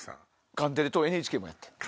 カンテレとＮＨＫもやってんねん。